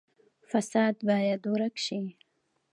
فساد باید ورک شي